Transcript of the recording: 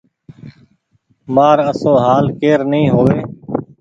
مآر آسو هآل ڪير ني هووي۔